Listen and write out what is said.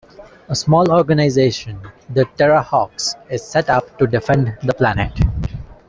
A small organisation, The Terrahawks, is set up to defend the planet.